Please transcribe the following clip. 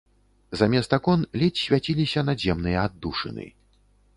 Замест акон ледзь свяціліся надземныя аддушыны.